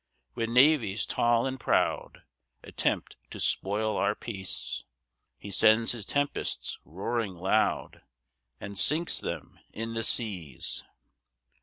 5 When navies tall and proud Attempt to spoil our peace, He sends his tempests roaring loud, And sinks them in the seas.